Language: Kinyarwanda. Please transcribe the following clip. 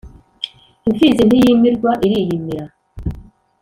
Impfizi ntiyimirwa iriyimira